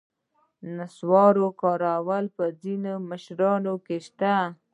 د نصوارو کارول په ځینو مشرانو کې شته.